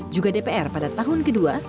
juga dpr pada tahun kedua